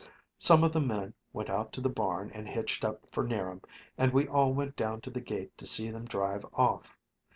Some of the men went out to the barn and hitched up for 'Niram, and we all went down to the gate to see them drive off.